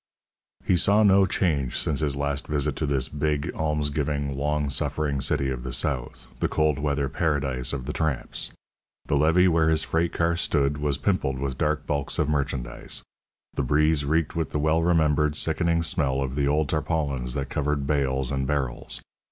He saw no change since his last visit to this big, alms giving, long suffering city of the South, the cold weather paradise of the tramps. The levee where his freight car stood was pimpled with dark bulks of merchandise. The breeze reeked with the well remembered, sickening smell of the old tarpaulins that covered bales and barrels.